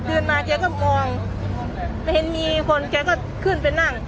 มันไม่นานออกมันมีข้อสินค้าสินค้ามาก